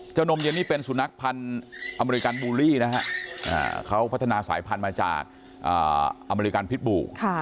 นมเย็นนี่เป็นสุนัขพันธ์อเมริกันบูลลี่นะฮะเขาพัฒนาสายพันธุ์มาจากอเมริกันพิษบู